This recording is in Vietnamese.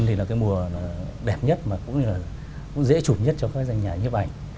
thì là cái mùa đẹp nhất mà cũng dễ chụp nhất cho các doanh nhà nhấp ảnh